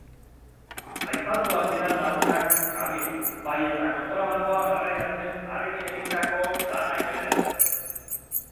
Aipatua zidan lagunak Qabil, bai eta kontrabandoa garraiatzen harekin egindako lanak ere.